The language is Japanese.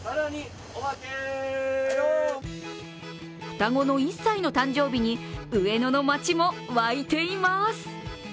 双子の１歳の誕生日に上野の街も沸いています。